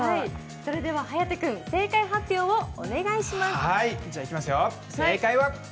それでは颯君、正解発表をお願いします。